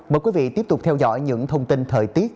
mời quý vị tiếp tục theo dõi những thông tin thời tiết